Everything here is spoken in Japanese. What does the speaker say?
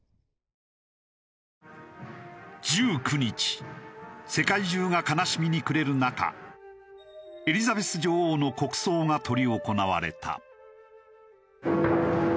１９日世界中が悲しみに暮れる中エリザベス女王の国葬が執り行われた。